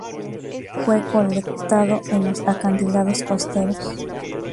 Fue colectado en los acantilados costeros.